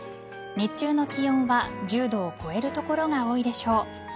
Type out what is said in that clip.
日中の気温は１０度を超える所が多いでしょう。